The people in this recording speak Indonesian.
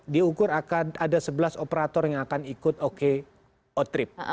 dia ukur akan ada sebelas operator yang akan ikut okeotrip